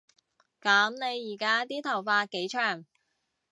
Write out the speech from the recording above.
噉你而家啲頭髮幾長